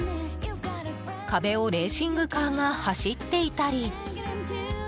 壁をレーシングカーが走っていたり。